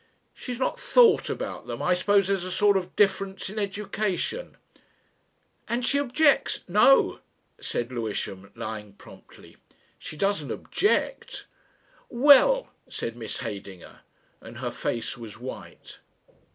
"She's not thought about them. I suppose there's a sort of difference in education " "And she objects ?" "No," said Lewisham, lying promptly. "She doesn't object ..." "Well?" said Miss Heydinger, and her face was white.